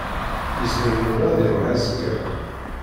Yezmer Yuba ad iṛuḥ azekka.